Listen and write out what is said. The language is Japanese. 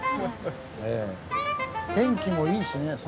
天気もいいしね。